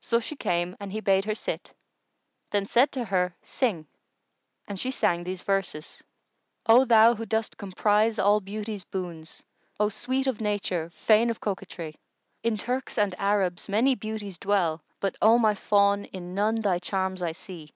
So she came and he bade her sit, then said to her, "Sing." And she sang these verses, "O thou who dost comprise all Beauty's boons! * O sweet of nature, fain of coquetry! In Turks and Arabs many beauties dwell; * But, O my fawn, in none thy charms I see.